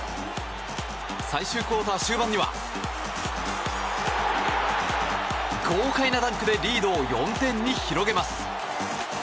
最終クオーター終盤には豪快なダンクでリードを４点に広げます。